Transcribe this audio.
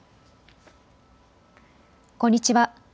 こんにちは。